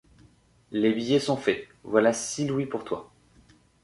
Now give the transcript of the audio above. Les billets sont faits, voilà six louis pour toi.